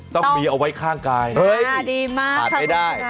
ต้องมีเอาไว้ข้างกายเฮ้ยขาดไม่ได้นะดีมากครับ